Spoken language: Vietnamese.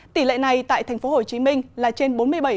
tỷ lệ này tại thành phố hồ chí minh là trên bốn mươi bảy một